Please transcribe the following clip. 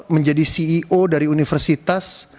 menjadi ceo dari universitas